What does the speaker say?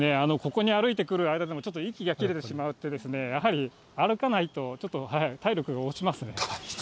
ここに歩いてくる間でも、ちょっと息が切れてしまってですね、やはり歩かないとちょっと、大丈夫？